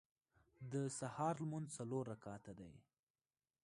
د سهار لمونځ څلور رکعته دی.